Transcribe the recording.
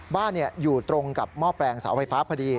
บ้านอยู่ตรงกับหม้อแปลงเสาไฟฟ้าพอดี